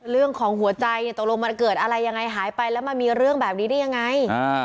เรื่องของหัวใจตรงใจเฉพาะเกิดอะไรอย่างไรหายไปแล้วมันจะมีเรื่องแบบนี้ได้ยังไง